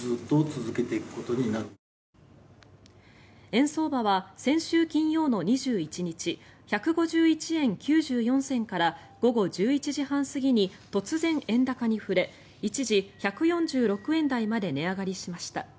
円相場は先週金曜の２１日１５１円９４銭から午後１１時半過ぎに突然、円高に振れ一時、１４６円台まで値上がりしました。